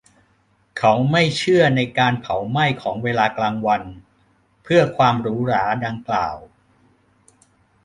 เขาไม่เชื่อในการเผาไหม้ของเวลากลางวันเพื่อความหรูหราดังกล่าว